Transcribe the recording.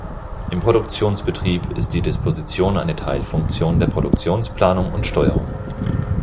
Im Produktionsbetrieb ist die Disposition eine Teilfunktion der Produktionsplanung und -steuerung.